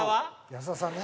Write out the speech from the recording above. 「安田さん」ね。